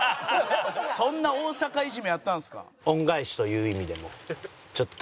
そんな大阪いじめやったんですか？